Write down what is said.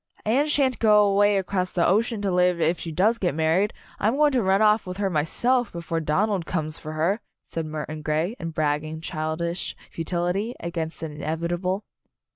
"Anne shan't go away across the ocean to live, if she does get married! I'm go ing to run off with her myself before Don ald comes for her," said Murton Grey, in bragging, childish futility against the in evitable.